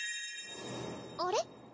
あれ？